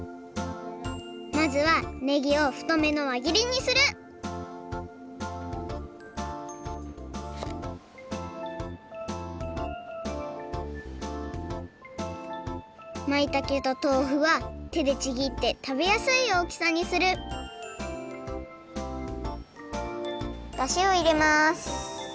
まずはネギをふとめのわぎりにするまいたけととうふはてでちぎってたべやすいおおきさにするだしをいれます！